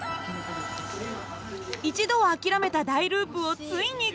一度は諦めた大ループをついにクリア。